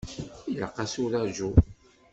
Ilaq-as uraǧu.